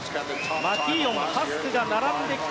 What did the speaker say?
マキーオン、ハスクが並んできて。